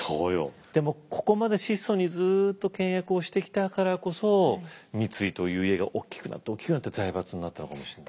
でもここまで質素にずっと倹約をしてきたからこそ三井という家が大きくなって大きくなって財閥になったのかもしれないね。